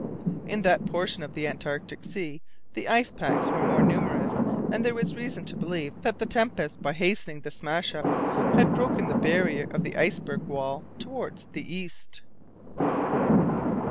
In that portion of the Antarctic sea the ice packs were more numerous, and there was reason to believe that the tempest, by hastening the smash up, had broken the barrier of the iceberg wall towards the east.